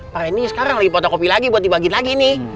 pak rendy sekarang lagi potokopi lagi buat dibagiin lagi nih